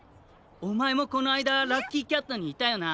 おまえもこのあいだラッキーキャットにいたよな。